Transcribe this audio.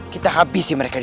kita harus berpada